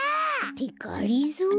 ってがりぞー？